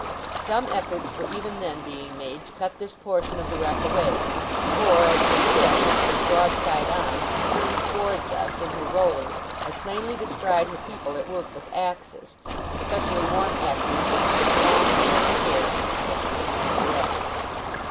Some efforts were even then being made, to cut this portion of the wreck away; for, as the ship, which was broadside on, turned towards us in her rolling, I plainly descried her people at work with axes, especially one active figure with long curling hair, conspicuous among the rest.